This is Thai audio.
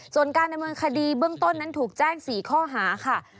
ส่วนการดำเนินคดีเบื้องต้นนั้นถูกแจ้ง๔ข้อหาค่ะ